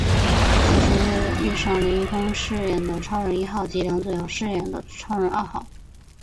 此时却遇上林一峰饰演的超人一号及梁祖尧饰演的超人二号。